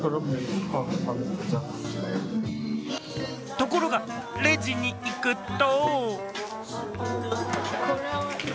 ところがレジに行くと。